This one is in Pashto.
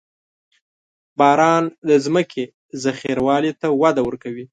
• باران د ځمکې زرخېوالي ته وده ورکوي.